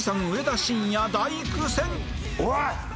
おい！